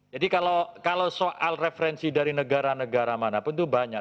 jadi kalau soal referensi dari negara negara mana pun itu banyak